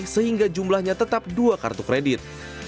sehingga jumlahnya tetap dua kartu kredit